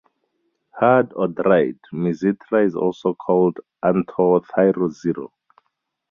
Hard or dried mizithra is also called "anthotyro xero".